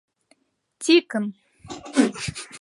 Тикын!